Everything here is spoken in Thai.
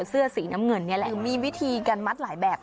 เสื้อสีน้ำเงินนี่แหละคือมีวิธีการมัดหลายแบบ